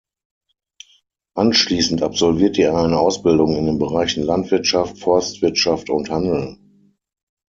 Anschließend absolvierte er eine Ausbildung in den Bereichen Landwirtschaft, Forstwirtschaft und Handel.